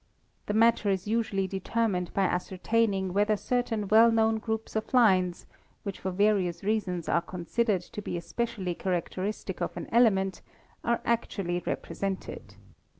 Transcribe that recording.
The matter is usually de termined by ascertaining whether certain well known groups of lines, which for various reasons are considered to be especially characteristic of an element, are actually represented.